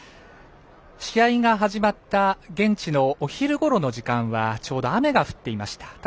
試合が始まった現地のお昼ごろの時間はちょうど雨が降っていました。